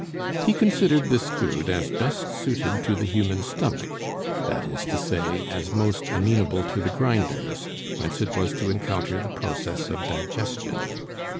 He considered this food as best suited to the human stomach; that is to say, as most amenable to the grinders, whence it was to encounter the process of digestion.